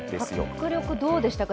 迫力、どうでしたか？